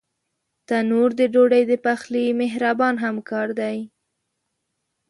تنور د ډوډۍ د پخلي مهربان همکار دی